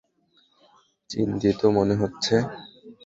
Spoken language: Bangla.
চিন্তিত মনে হচ্ছে।